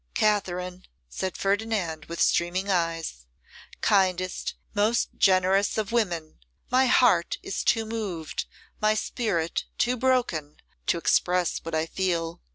'Katherine,' said Ferdinand, with streaming eyes, 'kindest, most generous of women! My heart is too moved, my spirit too broken, to express what I feel.